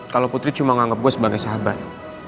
kalau putri cuma menganggap gue sebagai sahabat